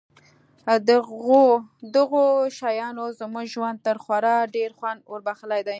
دغو شیانو زموږ ژوند ته خورا ډېر خوند وربښلی دی